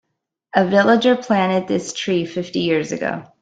A villager planted this tree fifty years ago.